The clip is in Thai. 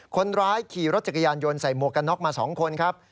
คนร้ายขี่รถจักรยานยนต์ใส่หมวกกันน็อกมา๒คนครับ